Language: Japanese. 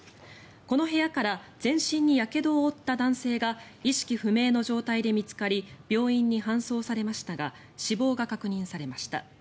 この部屋から全身にやけどを負った男性が意識不明の状態で見つかり病院に搬送されましたが死亡が確認されました。